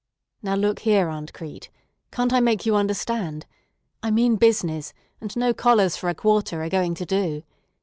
"Now look here, Aunt Crete! Can't I make you understand? I mean business, and no collars for a quarter are going to do.